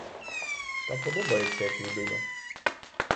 Та подобається як людина.